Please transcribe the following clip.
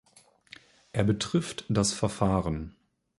Er betrifft das Verfahren.